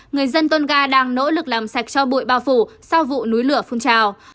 người dân tonga đang nỗ lực làm sạch cho bụi bao phủ sau vụ núi lửa phun trào